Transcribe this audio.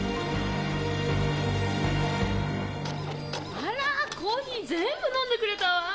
あらコーヒー全部飲んでくれたわ。